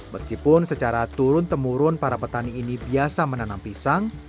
meskipun secara turun temurun para petani ini biasa menanam pisang